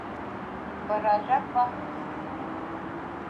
Бара ажәак баҳәатәыс исымоуп.